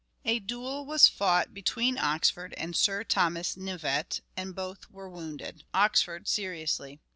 A duel was fought between Oxford and Sir Thomas Knyvet and both were wounded : Oxford seriously.